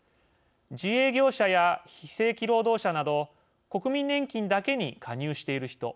自営業者や非正規労働者など国民年金だけに加入している人